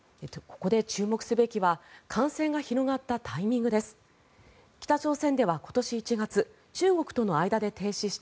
ここで注目すべきは感染が広がったタイミングです。